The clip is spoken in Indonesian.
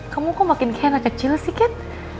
kamu kok makin kayak anak kecil sih kat